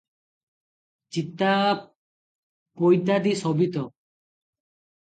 ଚିତା-ପଇତାଦି ଶୋଭିତ ।।